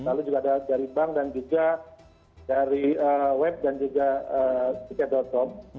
lalu juga ada dari bank dan juga dari web dan juga tiket com